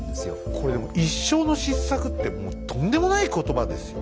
これでも一生の失策ってもうとんでもない言葉ですよ。